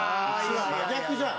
真逆じゃん。